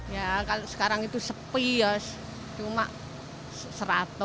ya kalau sekarang itu sepi ya cuma seratus